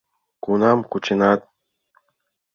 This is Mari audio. — Кунам кученат?..